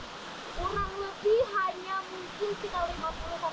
kurang lebih hanya mungkin sekitar lima puluh sampai dengan tujuh puluh cm